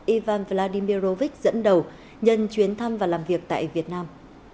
ivan vladimirrovich dẫn đầu nhân chuyến thăm và làm việc tại việt nam